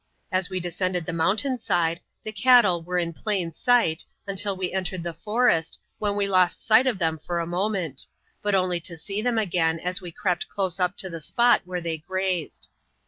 As we descended the mountain side, the cattle were in plain sight, until we entered the forest, when we lost sight of them for a moment ; but only to see them again, as we crept dose up to the spot where they grazed.